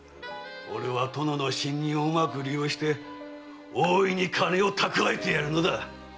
俺は殿の信任をうまく利用しておおいに金を蓄えてやるのだ。